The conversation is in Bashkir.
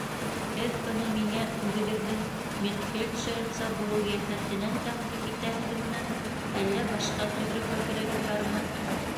— Һеҙ быны миңә үҙегеҙҙең медфельдшерица булыу йәһәтенән тәҡдим итәһегеҙме әллә башҡа төрлө фекерегеҙ бармы?